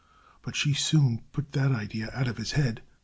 But she soon put that idea out of his head.